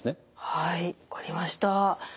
はい分かりました。